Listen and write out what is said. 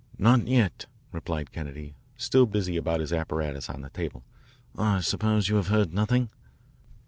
"Not yet," replied Kennedy, still busy about his apparatus on the table. "I suppose you have heard nothing?"